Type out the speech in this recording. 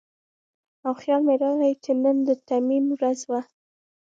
او خيال مې راغے چې نن د تيمم ورځ وه